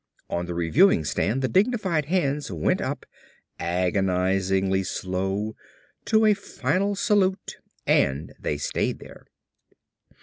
On the reviewing stand the dignified hands went up, agonizingly slow, to a final salute and they stayed there.